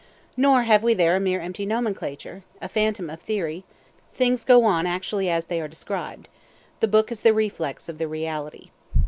Nor have we there a mere empty nomenclature, a phantom of theory; things go on actually as they are described the book is the reflex of the reality.